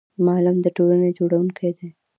معلم د ټولنې جوړونکی دی